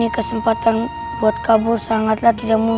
aku tidak akan menyakitimu